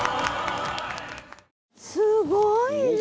すごいね。